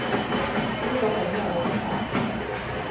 呢個係咩玩法?